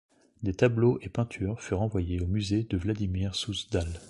Des tableaux et peintures furent envoyés au musée de Vladimir Souzdal.